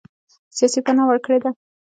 سیاسي پناه ورکړې ده.